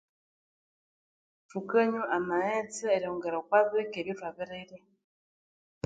Thukanywa amaghetse eryongera okwa bike ebithwabirirya